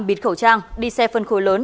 bịt khẩu trang đi xe phân khối lớn